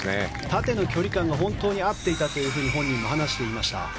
縦の距離感が本当に合っていたと本人も話していました。